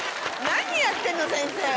何やってんの先生。